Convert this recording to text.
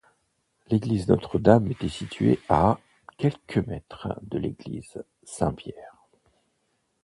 L'église Notre-Dame était située à quelques mètres de l'église Saint-Pierre.